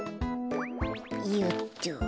よっと。